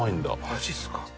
マジっすか。